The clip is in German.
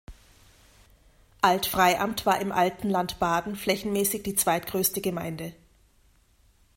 Alt-Freiamt war im alten Land Baden flächenmäßig die zweitgrößte Gemeinde.